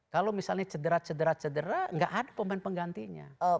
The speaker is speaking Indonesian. kalau misalnya cederat cederat cederat gak ada pemain penggantinya